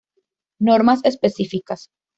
Normas específicas.